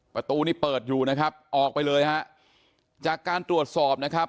ประตูนี้เปิดอยู่นะครับออกไปเลยฮะจากการตรวจสอบนะครับ